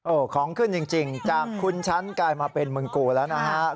ของขึ้นจริงจากคุณฉันกลายมาเป็นมึงกูแล้วนะฮะ